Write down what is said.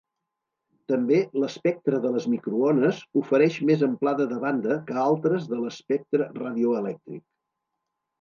També, l'espectre de les microones, ofereix més amplada de banda que altres de l'espectre radioelèctric.